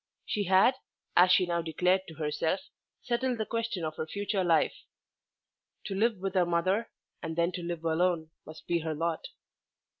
She had, as she now declared to herself, settled the question of her future life. To live with her mother, and then to live alone, must be her lot.